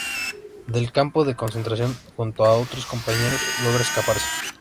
Del campo de concentración, junto a otros compañeros, logra escaparse.